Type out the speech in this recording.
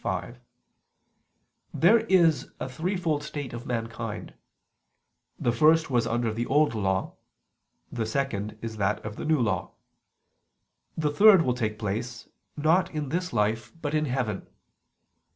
v), there is a threefold state of mankind; the first was under the Old Law; the second is that of the New Law; the third will take place not in this life, but in heaven.